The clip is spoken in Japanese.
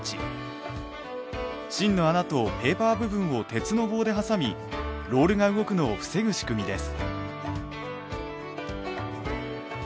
芯の穴とペーパー部分を鉄の棒で挟みロールが動くのを防ぐ仕組みです。